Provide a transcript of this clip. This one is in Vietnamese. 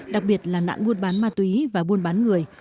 đặc biệt là nạn buôn bán ma túy và buôn bán người